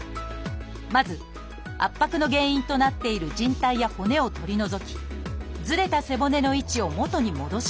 まず圧迫の原因となっているじん帯や骨を取り除きずれた背骨の位置を元に戻します。